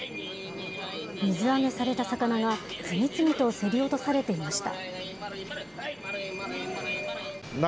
水揚げされた魚が次々と競り落とされていました。